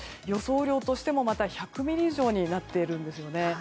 雨量としても１００ミリ以上になっています。